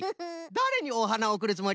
だれにおはなをおくるつもり？